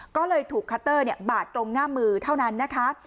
ก็เลยถูกคัทเตอร์เนี่ยบาดตรงแง่มือเท่านั้นนะคะ